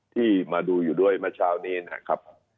ที่มาดูอยู่ด้วยเมื่อเช้านี้นะครับ